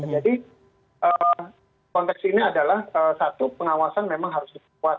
jadi konteks ini adalah satu pengawasan memang harus diperkuat